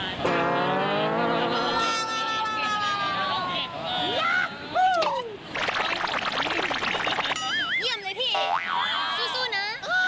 เยี่ยมเลยพี่สู้นะ